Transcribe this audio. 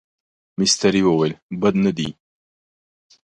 مستري وویل بد نه دي.